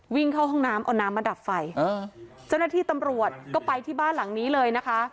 วิ่งเข้าห้องน้ำเอาน้ำมาดับไฟเจ้าหน้าที่ตำรวจก็ไปที่บ้านหลังนี้เลยนะคะ